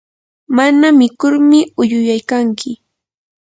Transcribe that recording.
mana mikurmi uyuyaykanki.